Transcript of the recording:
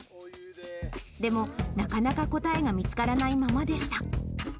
でも、なかなか答えが見つからないままでした。